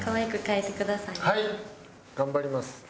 はい頑張ります。